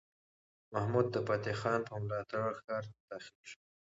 محمود د فتح خان په ملاتړ ښار ته داخل شو.